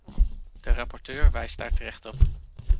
De rapporteur wijst daar terecht op.